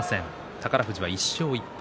宝富士は１勝１敗。